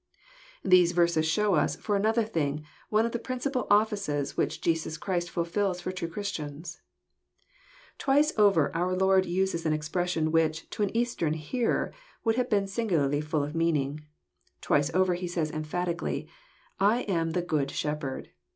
These verses show us, for another thing, one of the prinr eipal offices which Jesiis Christ fills for true Christians. Twice over our Lord uses an expression which, to an East ern hearer, would be singularly full of meaning. Twice over he says emphatically, *' I am the Good Shepherd."